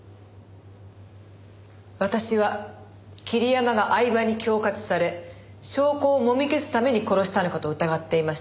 私は桐山が饗庭に恐喝され証拠をもみ消すために殺したのかと疑っていました。